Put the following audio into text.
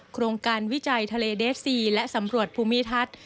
โครงการวิจัยทะเลเดฟซีและสำรวจภูมิทัศน์